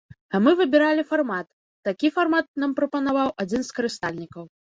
А мы выбіралі фармат, такі фармат нам прапанаваў адзін з карыстальнікаў.